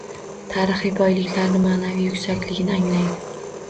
Tarixiy boyliklarini, ma’naviy yuksakligini anglaydi.